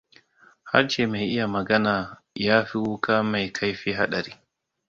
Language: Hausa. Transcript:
Harshe mai iya magana yafi wuƙa mai kaifi haɗari.